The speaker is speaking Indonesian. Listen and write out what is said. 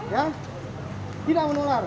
ya tidak menular